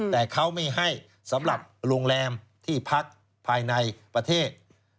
แต่เขาไม่ให้สำหรับโรงแรมที่พักภายในประเทศ